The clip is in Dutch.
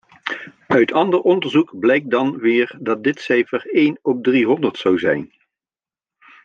Uit ander onderzoek blijkt dan weer dat dit cijfer één op driehonderd zou zijn.